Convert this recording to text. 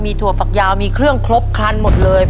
ถั่วฝักยาวมีเครื่องครบครันหมดเลย